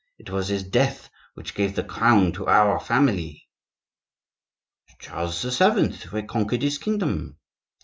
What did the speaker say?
It was his death which gave the crown to our family." "Charles VII. reconquered his kingdom."